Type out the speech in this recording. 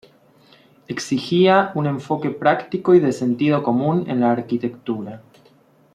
Exigía un enfoque práctico y de sentido común en la arquitectura.